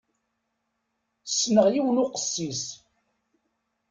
Ssneɣ yiwen uqessis.